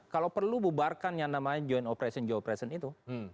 kalau perlu bubarkan yang namanya joint operation itu